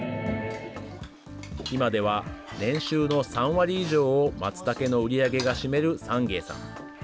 今では年収の３割以上をマツタケの売り上げが占めるサンゲイさん。